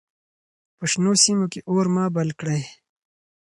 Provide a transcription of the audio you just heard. په شنو سیمو کې اور مه بل کړئ.